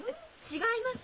違います！